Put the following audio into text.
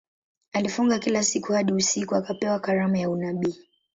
Alifunga kila siku hadi usiku akapewa karama ya unabii.